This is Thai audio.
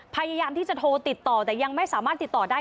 พยายามที่จะโทรติดต่อแต่ยังไม่สามารถติดต่อได้